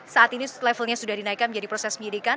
saat ini levelnya sudah dinaikkan menjadi proses penyidikan